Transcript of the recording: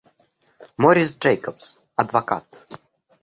Морис Джейкобс, адвокат.